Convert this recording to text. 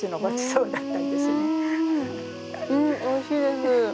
うんおいしいです